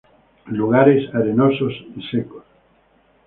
Lugares arenosos y secos.